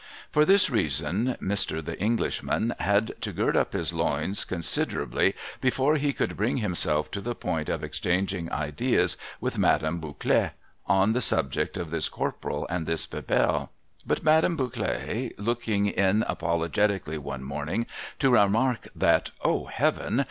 For this reason, Mr. The Englishman had to gird up his loins considerably before he could bring himself to the point of ex changing ideas with Madame Bouclet on the subject of this Corporal and this Bebelle. But Madame Bouclet looking in apologetically one morning to remark, that, O Heaven